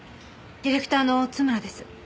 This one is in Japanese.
ディレクターの津村です。